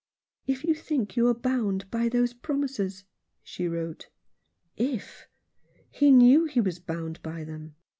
" If you think you are bound by those promises," she wrote. "If!" He knew that he was bound by them.